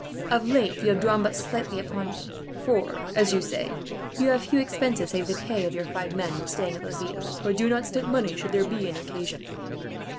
"Of late you have drawn but slightly upon me for, as you say, you have few expenses save the pay of your five men, when staying at Laville; but do not stint money, should there be an occasion."